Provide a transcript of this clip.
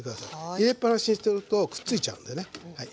入れっ放しにしてるとくっついちゃうんでね。